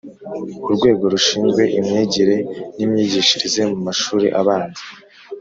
Urwego rushinzwe imyigire n imyigishirize mu mashuri abanza